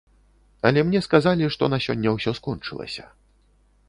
Але мне сказалі, што на сёння ўсё скончылася.